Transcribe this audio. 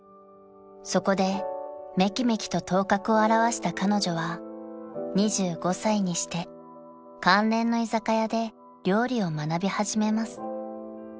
［そこでめきめきと頭角を現した彼女は２５歳にして関連の居酒屋で料理を学び始めます］